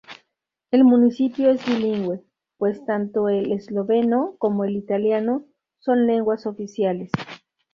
El municipio es bilingüe, pues tanto el esloveno como el italiano son lenguas oficiales.